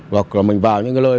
hoặc là mình vào những lơi